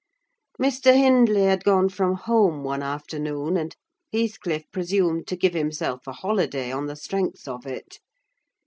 Mr. Hindley had gone from home one afternoon, and Heathcliff presumed to give himself a holiday on the strength of it.